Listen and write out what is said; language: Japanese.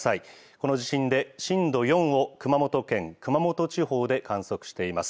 この地震で震度４を熊本県熊本地方で観測しています。